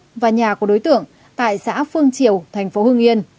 ban truyền án đã xác định và bắt giữ đối tượng tại xã phương triều thành phố hưng yên